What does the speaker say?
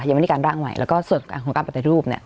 ยังไม่ได้การร่างใหม่แล้วก็ส่วนการคุณการปรับแต่รูปเนี้ย